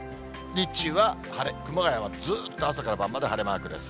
日中は晴れ、熊谷はずっと朝から晩まで晴れマークです。